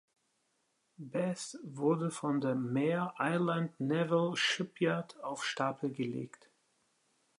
„Bass“ wurde von der Mare Island Naval Shipyard auf Stapel gelegt.